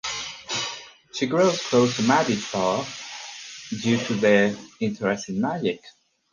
She grows close to Maddie Flour due to their interests in magic.